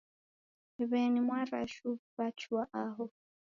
W'eni Mwarashu wachua aho.